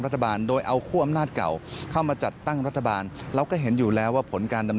แล้วพักอื่นเขาโอเคใช่ไหมอ่ะ